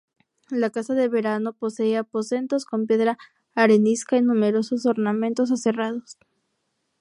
La casa de verano posee aposentos con piedra arenisca y numerosos ornamentos aserrados.